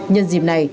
nhân dịp này